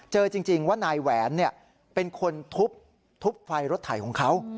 จริงว่านายแหวนเป็นคนทุบไฟรถไถของเขา